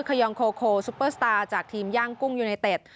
คยองโคโคซุปเปอร์สตาร์จากทีมย่างกุ้งยูเนเต็ด